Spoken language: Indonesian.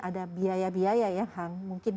ada biaya biaya yang mungkin